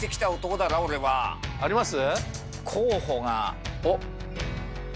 あります？